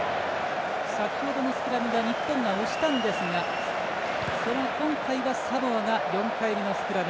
先ほどのスクラムは日本が押したんですが今回はサモアが４回目のスクラム。